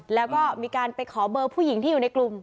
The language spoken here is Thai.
แล้วก็มีการไปขอเบอร์ผู้หญิงที่อยู่ในกลุ่ม